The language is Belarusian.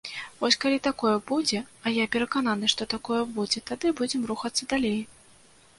Вось калі такое будзе, а я перакананы, што такое будзе, тады будзем рухацца далей.